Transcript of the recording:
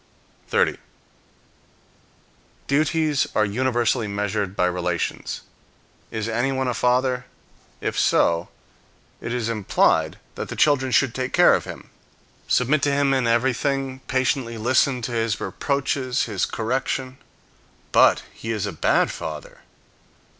30. Duties are universally measured by relations. Is anyone a father? If so, it is implied that the children should take care of him, submit to him in everything, patiently listen to his reproaches, his correction. But he is a bad father.